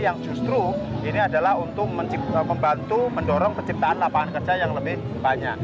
yang justru ini adalah untuk membantu mendorong penciptaan lapangan kerja yang lebih banyak